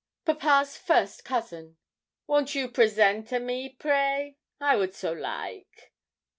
'Papa's first cousin.' 'Won't you present a me, pray? I would so like!'